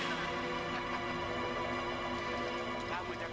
hei dia paham